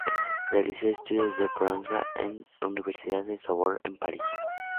Realizó estudios de posgrado en la Universidad de la Sorbona en París.